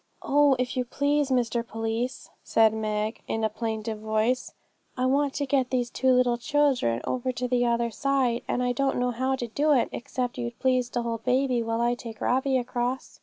'Oh, if you please, Mr Police,' said Meg, in a plaintive voice, 'I want to get these two little children over to the other side, and I don't know how to do it, except you'd please to hold baby while I take Robbie across.'